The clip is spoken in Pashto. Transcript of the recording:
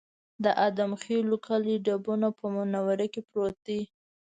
د ادم خېلو کلی ډبونه په منوره کې پروت دی